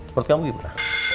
menurut kamu gimana